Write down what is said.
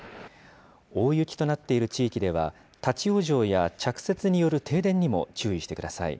大雪となっている地域では、立往生や着雪による停電にも注意してください。